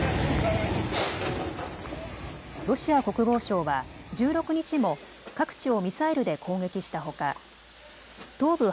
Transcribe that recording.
ロシア国防省は１６日も各地をミサイルで攻撃したほか東部